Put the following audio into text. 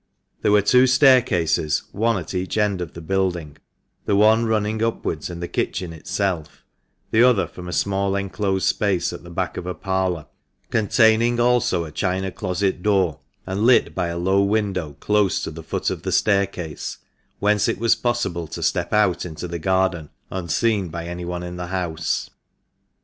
There were two staircases, one at each end of the building, the one running upwards in the kitchen itself, the other from a small enclosed space at the back of a parlour, containing also a china closet door, and lit by a low window close to the foot of the staircase, whence it was possible to step out into the garden, unseen by anyone in the house.